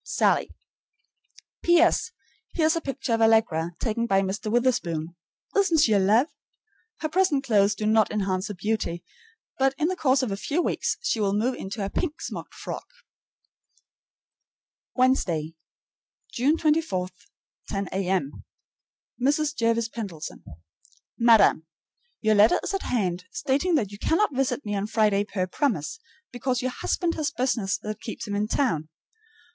SALLIE. P.S. Here is a picture of Allegra, taken by Mr. Witherspoon. Isn't she a love? Her present clothes do not enhance her beauty, but in the course of a few weeks she will move into a pink smocked frock. Wednesday, June 24, 10 A.M. MRS. JERVIS PENDLETON. Madam: Your letter is at hand, stating that you cannot visit me on Friday per promise, because your husband has business that keeps him in town.